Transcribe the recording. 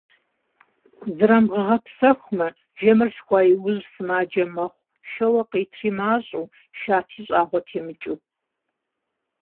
Зрамыгъэгъэпсэхумэ, жэмыр лъхуа иужь сымаджэ мэхъу - шэуэ къитри мащӀэу, шатэ щӀагъуи темыкӀыу.